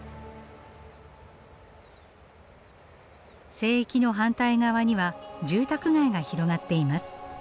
聖域の反対側には住宅街が広がっています。